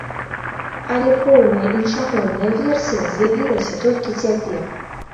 Але поўная іншамоўная версія з'явілася толькі цяпер.